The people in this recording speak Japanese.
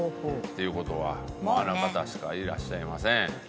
という事はもうあの方しかいらっしゃいません。